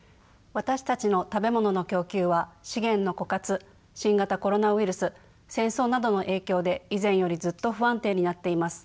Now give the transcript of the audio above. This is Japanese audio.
私たちの食べ物の供給は資源の枯渇新型コロナウイルス戦争などの影響で以前よりずっと不安定になっています。